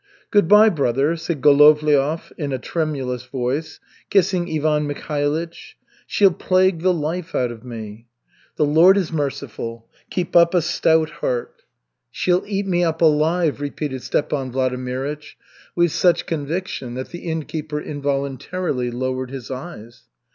"Good by, brother," said Golovliov in a tremulous voice, kissing Ivan Mikhailych. "She'll plague the life out of me." "The Lord is merciful. Keep up a stout heart." "She'll eat me up alive," repeated Stepan Vladimirych, with such conviction that the innkeeper involuntarily lowered his eyes.